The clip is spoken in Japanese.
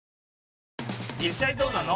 実際どうなの？